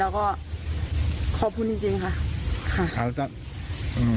แล้วก็ขอบคุณจริงจริงค่ะ